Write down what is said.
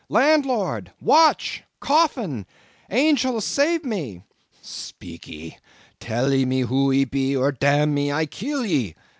"Landlord! Watch! Coffin! Angels! save me!" "Speak e! tell ee me who ee be, or dam me, I kill e!"